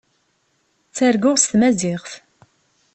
Ttarguɣ s tmaziɣt.